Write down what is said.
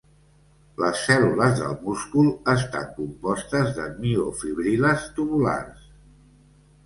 Les cèl·lules del múscul estan compostes de miofibril·les tubulars.